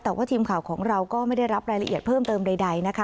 แต่ว่าทีมข่าวของเราก็ไม่ได้รับรายละเอียดเพิ่มเติมใดนะคะ